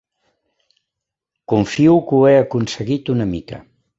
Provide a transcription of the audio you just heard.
Confio que ho he aconseguit, una mica